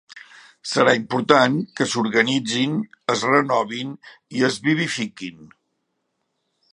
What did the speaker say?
Serà important que s’organitzin, es renovin i es vivifiquin.